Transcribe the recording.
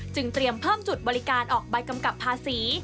เตรียมเพิ่มจุดบริการออกใบกำกับภาษี